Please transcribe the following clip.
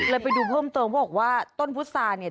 เลยไปดูเพิ่มเติมเพราะว่าต้นพุทธศาสตร์เนี่ย